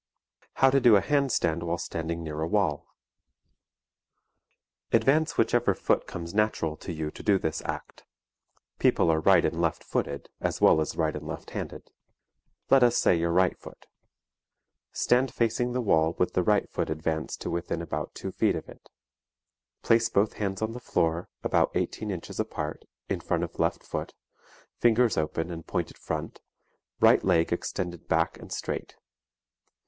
How to do a hand stand while standing near a wall. Advance whichever foot comes natural to you to do this act (people are right and left footed as well as right and left handed); let us say your right foot. Stand facing the wall with the right foot advanced to within about two feet of it. Place both hands on the floor, about eighteen inches apart, in front of left foot, fingers open and pointed front, right leg extended back and straight.